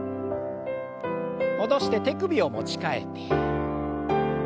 戻して手首を持ち替えて。